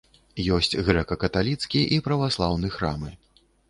Ёсць грэка-каталіцкі і праваслаўны храмы.